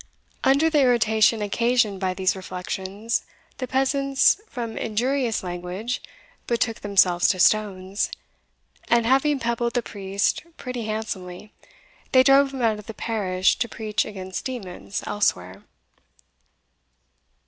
Under the irritation occasioned by these reflections, the peasants from injurious language betook themselves to stones, and having pebbled the priest pretty handsomely, they drove him out of the parish to preach against demons elsewhere.